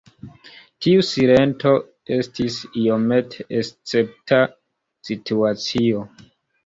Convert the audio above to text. Tiu silento estis iomete escepta situacio.